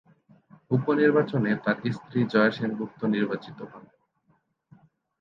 উপ-নির্বাচনে তার স্ত্রী জয়া সেনগুপ্ত নির্বাচিত হন।